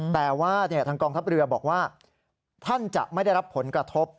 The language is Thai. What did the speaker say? แต่ว่าทางกองทัพเรือบอกว่าท่านจะไม่ได้รับผลกระทบ